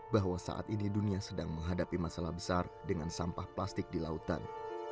bahwa saat ini dunia sedang menghadapi masalah besar dengan sampah plastik di lautan